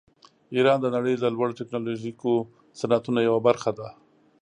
ایران د نړۍ د لوړو ټیکنالوژیکو صنعتونو یوه برخه ده.